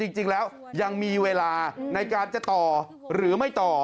จริงแล้วยังมีเวลาในการจะต่อหรือไม่ต่อ